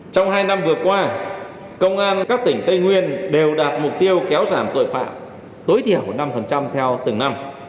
trong hai năm vừa qua công an các tỉnh tây nguyên đều đạt mục tiêu kéo giảm tội phạm tối thiểu năm theo từng năm